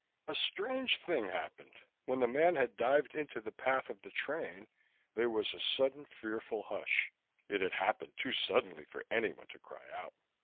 A strange thing happened. When the man had dived into the path of the train, there was a sudden fearful hush; it had happened too suddenly for anyone to cry out.